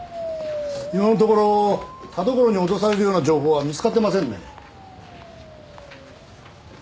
今のところ田所に脅されるような情報は見つかってませんね。